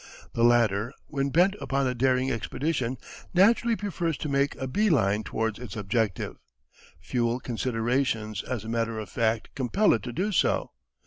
The latter, when bent upon a daring expedition, naturally prefers to make a bee line towards its objective: fuel considerations as a matter of fact compel it to do so.